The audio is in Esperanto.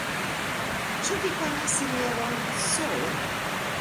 Ĉu vi konas Sinjoron S.